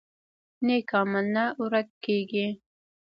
نیک عمل نه ورک کیږي